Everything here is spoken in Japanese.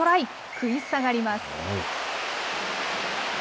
食い下がります。